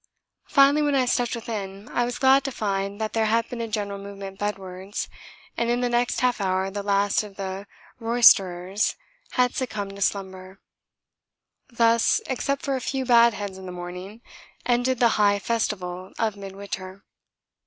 Finally when I stepped within, I was glad to find that there had been a general movement bedwards, and in the next half hour the last of the roysterers had succumbed to slumber. Thus, except for a few bad heads in the morning, ended the High Festival of Midwinter.